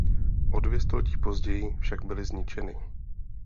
O dvě století později však byly zničeny.